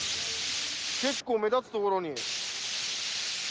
結構目立つところに。